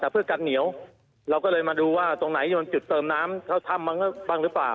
เพื่อกันเหนียวเราก็เลยมาดูว่าตรงไหนโดนจุดเติมน้ำเข้าถ้ำบ้างหรือเปล่า